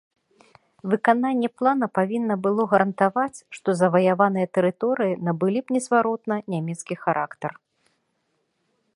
Выкананне плана павінна было гарантаваць, што заваяваныя тэрыторыі набылі б незваротна нямецкі характар.